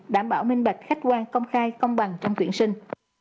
đảm bảo minh bạch khách quan công khai công bằng trong tuyển sinh